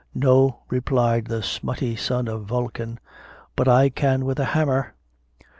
"No," replied the smutty son of Vulcan, "but I can with a hammer."